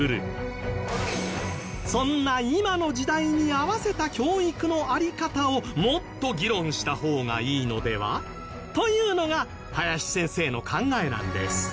そんな今の時代に合わせた教育の在り方をもっと議論した方がいいのでは？というのが林先生の考えなんです